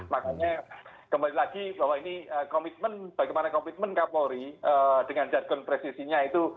makanya kembali lagi bahwa ini komitmen bagaimana komitmen kapolri dengan jargon presisinya itu